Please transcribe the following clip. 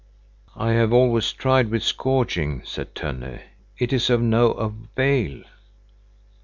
"I have already tried with scourging," said Tönne. "It is of no avail."